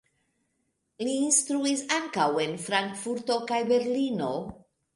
Li instruis ankaŭ en Frankfurto kaj Berlino.